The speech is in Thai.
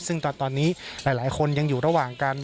ซึ่งตอนนี้หลายคนยังอยู่ระหว่างการ